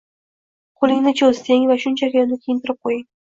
“Qo‘lingni cho‘z”, deng va shunchaki uni kiyintirib qo‘ying.